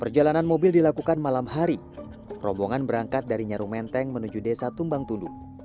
perjalanan mobil dilakukan malam hari rombongan berangkat dari nyaru menteng menuju desa tumbang tunduk